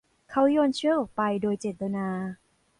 เขาโยนเชือกออกไปโดยเจตนา